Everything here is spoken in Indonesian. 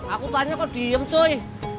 aku tanya kok diem joy